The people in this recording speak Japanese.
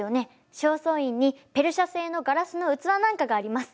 正倉院にペルシア製のガラスの器なんかがあります。